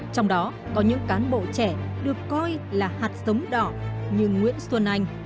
trong đó có những cán bộ trẻ được coi là hạt sống đỏ như nguyễn xuân anh